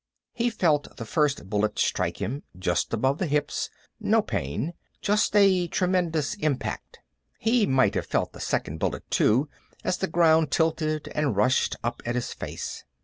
He felt the first bullet strike him, just above the hips no pain; just a tremendous impact. He might have felt the second bullet, too, as the ground tilted and rushed up at his face.